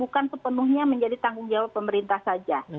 bukan sepenuhnya menjadi tanggung jawab pemerintah saja